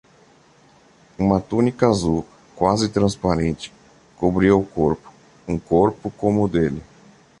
Uma túnica azul, quase transparente, cobria o corpo, um corpo como o dele.